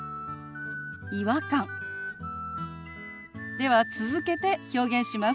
では続けて表現します。